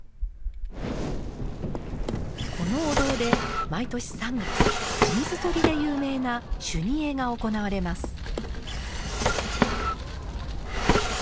このお堂で毎年３月「お水取り」で有名な「修二会」が行われます。